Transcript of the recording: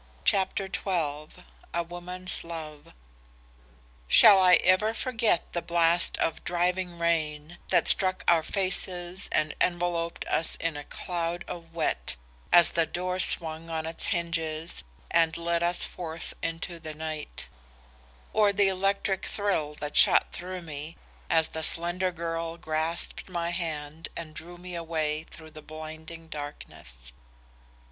CHAPTER XII. A WOMAN'S LOVE "Shall I ever forget the blast of driving rain that struck our faces and enveloped us in a cloud of wet, as the door swung on its hinges and let us forth into the night; or the electric thrill that shot through me as that slender girl grasped my hand and drew me away through the blinding darkness.